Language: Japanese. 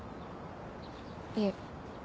いえ。